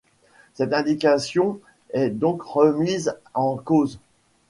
Cette identification est donc remise en cause.